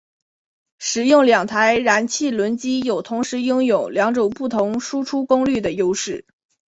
使用两台燃气轮机有同时拥有两种不同输出功率的优势。